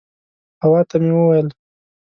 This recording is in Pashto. حوا ته مې وویل.